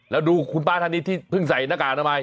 แล้วดูคุณป้าท่านนี้ที่เพิ่งใส่หน้ากากอนามัย